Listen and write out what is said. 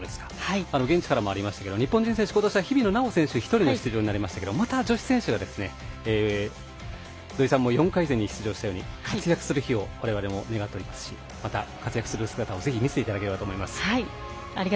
現地からもありましたけど日本人選手、今年は日比野菜緒選手１人が出場でしたけどもまた女子選手が土居さんも４回戦に出場したように活躍する日を我々も願っておりますしまた活躍する姿をぜひ、見せていただければと思います。